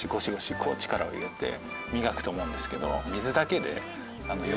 こう力を入れて磨くと思うんですけど。